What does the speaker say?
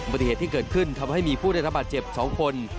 ปฏิเหตุที่เกิดขึ้นทำให้มีผู้ได้รับบาดเจ็บ๒คน